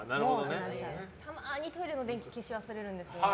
たまにトイレの電気消し忘れるんです。